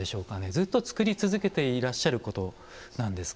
ずっと造り続けていらっしゃることなんですか。